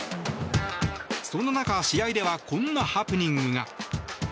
そんな中試合ではこんなハプニングが。